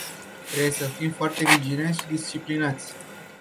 Trebuie să fim foarte vigilenți și disciplinați.